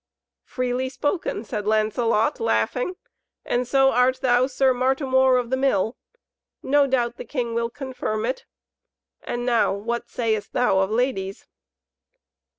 "Freely spoken," said Lancelot, laughing, "so art thou Sir Martimor of the Mill; no doubt the King will confirm it. And now what sayest thou of ladies?"